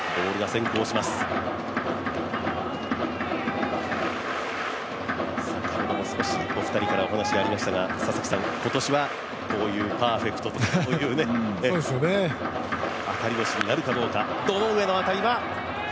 先ほども少し、お二人からお話がありましたが今年はこういうパーフェクトとかこういう当たり年になるかどうか。